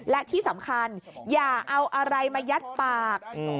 และที่สำคัญอย่าเอาอะไรมายัดปาก